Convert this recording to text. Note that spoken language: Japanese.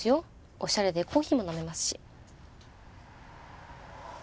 オシャレでコーヒーも飲めますし。